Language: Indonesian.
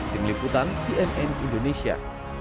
di meliputan cnn indonesia